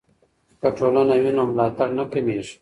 که ټولنه وي نو ملاتړ نه کمېږي.